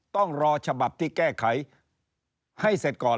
ต้องรอฉบับที่แก้ไขให้เสร็จก่อน